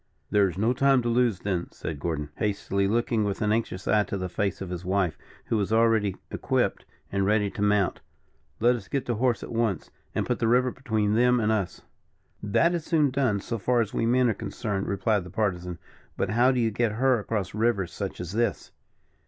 "There is no time to lose, then," said Gordon, hastily, looking with an anxious eye to the face of his wife, who was already equipped and ready to mount. "Let us get to horse at once, and put the river between them and us." "That is soon done, so far as we men are concerned," replied the Partisan; "but how do you get her across rivers such as this?"